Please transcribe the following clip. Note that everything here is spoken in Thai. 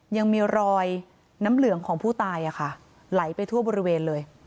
ยังมีรอยน้ำเหลืองของผู้ตายไหลไปทั่วบริเวณเลย